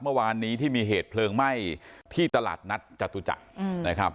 เมื่อวานนี้ที่มีเหตุเพลิงไหม้ที่ตลาดนัดจตุจักรนะครับ